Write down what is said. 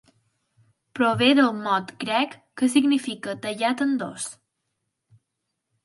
Prové del mot grec que significa "tallat en dos".